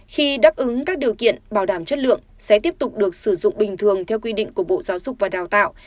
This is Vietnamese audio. khi đáp ứng các điều kiện bảo đảm chất lượng sẽ tiếp tục được sử dụng bình thường theo quy định của bộ giáo dục và đào tạo